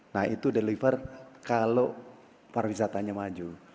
nah itu deliver kalau pariwisatanya maju